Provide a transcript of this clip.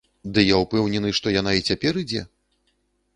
Ды, я ўпэўнены, што яна і цяпер ідзе!